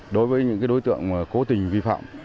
đối với những đối tượng cố tình vi phạm